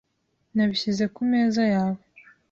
Nabishyize kumeza yawe .